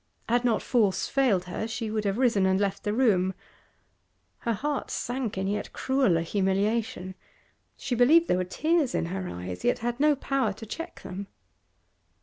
Had not force failed her she would have risen and left the room. Her heart sank in yet crueller humiliation; she believed there were tears in her eyes, yet had no power to check them.